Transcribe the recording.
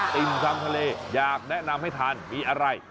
ติ่มทำทะเลอยากแนะนำให้ทานมีอะไร